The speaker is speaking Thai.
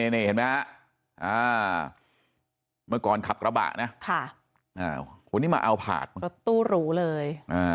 นี่เห็นไหมฮะเมื่อก่อนขับกระบะนะวันนี้มาเอาผาดรถตู้หรูเลย